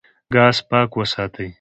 ګاز پاک وساتئ.